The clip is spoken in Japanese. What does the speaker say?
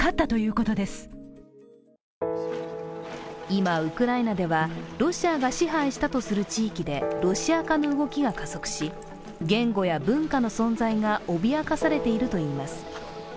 今、ウクライナではロシアが支配したとする地域でロシア化の動きが加速し言語や文化の存在が脅かされているといいます。